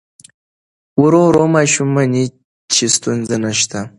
ورو ورو ماشوم مني چې ستونزه نشته.